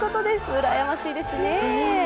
うらやましいですね。